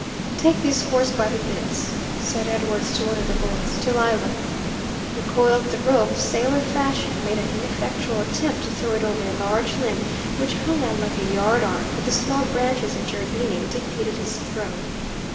"Take this horse by the bits," said Edwards to one of the boys, "till I look." He coiled the rope sailor fashion, and made an ineffectual attempt to throw it over a large limb which hung out like a yard arm, but the small branches intervening defeated his throw.